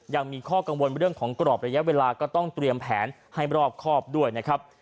ยังมีข้อกังวลเรื่องของกรอบระยะเวลาก็ต้องเตรียมแผนให้รอบครอบด้วยนะครับ